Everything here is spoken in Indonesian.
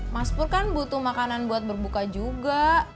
mas pur kan butuh makanan buat berbuka juga